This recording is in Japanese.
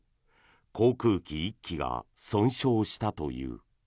航空機１機が損傷したという。